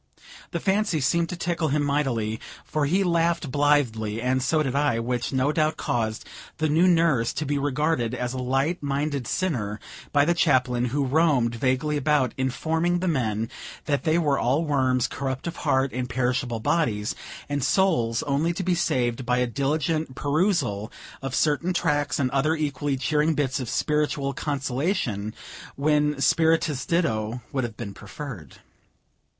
The fancy seemed to tickle him mightily, for he laughed blithely, and so did I; which, no doubt, caused the new nurse to be regarded as a light minded sinner by the Chaplain, who roamed vaguely about, informing the men that they were all worms, corrupt of heart, with perishable bodies, and souls only to be saved by a diligent perusal of certain tracts, and other equally cheering bits of spiritual consolation, when spirituous ditto would have been preferred.